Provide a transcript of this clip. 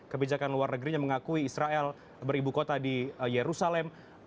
kebijakan luar negerinya mengakui israel beribu kota di yerusalem